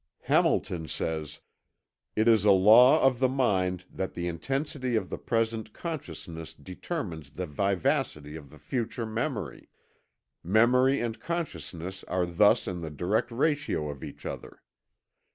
Hamilton says: "It is a law of the mind that the intensity of the present consciousness determines the vivacity of the future memory; memory and consciousness are thus in the direct ratio of each other.